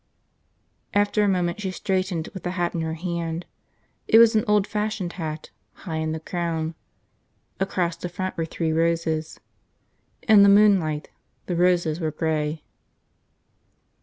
After a moment she straightened with the hat in her hand. It was an old fashioned hat, high in the crown. Across the front were three roses. In the moonlight the roses were gray.